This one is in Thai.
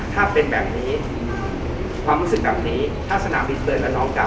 ถ้าเป็นแบบนี้ความรู้สึกแบบนี้ถ้าสนามบินเตือนและน้องกลับ